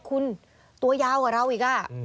คุณตัวยาวกว่าเราอีก